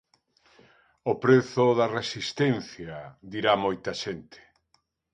O prezo da resistencia, dirá moita xente.